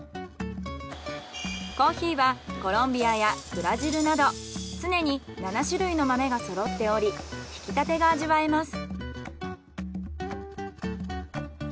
コーヒーはコロンビアやブラジルなど常に７種類の豆がそろっており挽きたてが味わえます。